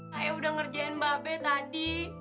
saya udah ngerjain babi tadi